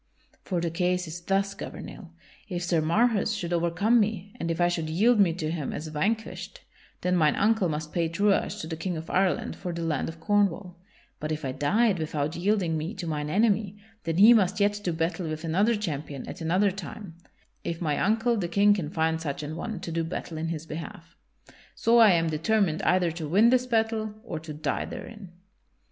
For the case is thus, Gouvernail; if Sir Marhaus should overcome me and if I should yield me to him as vanquished, then mine uncle must pay truage to the King of Ireland for the land of Cornwall; but if I died without yielding me to mine enemy, then he must yet do battle with another champion at another time, if my uncle the King can find such an one to do battle in his behalf. So I am determined either to win this battle or to die therein."